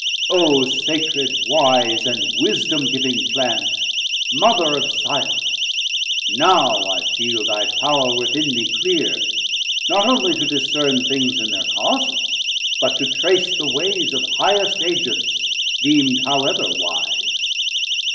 O Sacred, Wise, and Wisdom giving Plant, Mother of Science, Now I feel thy Power 680 Within me cleere, not onely to discerne Things in thir Causes, but to trace the wayes Of highest Agents, deemd however wise.